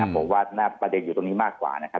ผมรู้ว่าการประดัติดูนนี้มากกว่านะครับ